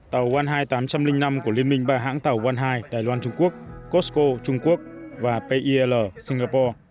tàu one hai tám trăm linh năm của liên minh bà hãng tàu one hai đài loan trung quốc costco trung quốc và pil singapore